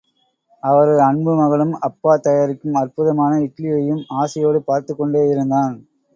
அவரது அன்பு மகனும் அப்பா தயாரிக்கும் அற்புதமான இட்லியையும், ஆசையோடு பார்த்துக் கொண்டேயிருந்தான்.